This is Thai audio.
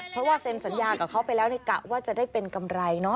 เพราะว่าเซ็นสัญญากับเขาไปแล้วกะว่าจะได้เป็นกำไรเนาะ